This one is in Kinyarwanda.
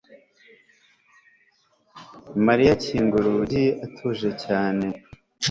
mariya akinga urugi atuje cyane